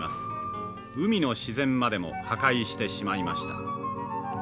海の自然までも破壊してしまいました」。